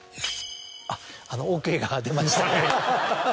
あっＯＫが出ました。